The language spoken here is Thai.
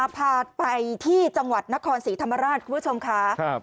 พาไปที่จังหวัดนครศรีธรรมราชคุณผู้ชมค่ะ